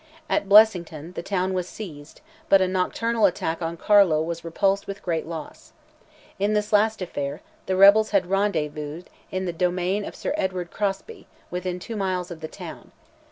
At Blessington, the town was seized, but a nocturnal attack on Carlow was repulsed with great loss. In this last affair, the rebels had rendezvoused in the domain of Sir Edward Crosbie, within two miles of the town.